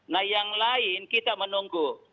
nah yang lain kita menunggu